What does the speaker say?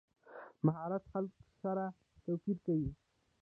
مهارت خلک سره توپیر کوي.